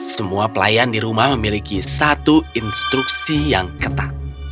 semua pelayan di rumah memiliki satu instruksi yang ketat